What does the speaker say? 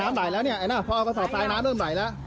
น้ำไหล่แล้วเนี่ยพ่อเอากระสอบซายน้ำเริ่มไหล่แล้ว